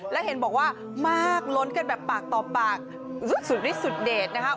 และเห็นบอกว่ามากล้นกันแบบปากต่อปากสุดสุดดีสุดเดทนะฮะ